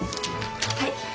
はい。